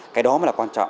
cái đó mới là quan trọng